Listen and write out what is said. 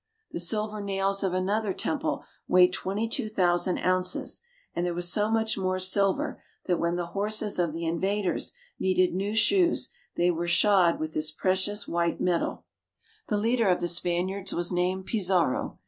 The silver nails of another temple weighed twenty two thousand ounces, and there was so much more silver that when the horses of the invaders needed new shoes they were shod with this precious white metal. 58' PERU. The leader of the Spaniards was named Pizarro.